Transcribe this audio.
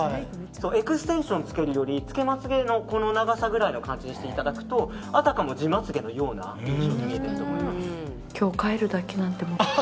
エクステンションをつけるよりつけまつ毛の長さぐらいの感じにしていただくとあたかも地まつ毛のように見えると思います。